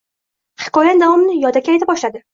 Hikoyaning davomini yodaki ayta boshladi